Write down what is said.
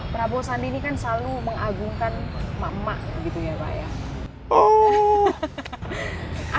prabowo sandi ini kan selalu mengagungkan emak emak gitu ya pak ya